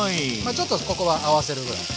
ちょっとここは合わせるぐらい。